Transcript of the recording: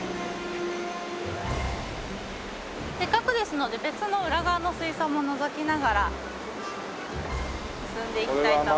せっかくですので別の裏側の水槽ものぞきながら進んで行きたいと。